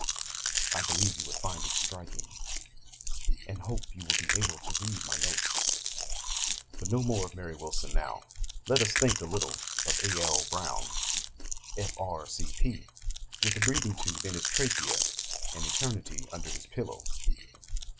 I believe you would find it striking, and hope you will be able to read my notes. 'But no more of Mary Wilson now. Rather let us think a little of A.L. Browne, F.R.C.P.! with a breathing tube in his trachea, and Eternity under his pillow...'